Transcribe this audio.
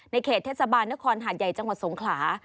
เขตเทศบาลนครหาดใหญ่จังหวัดสงขลา